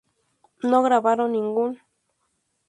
No grabaron ningún lp.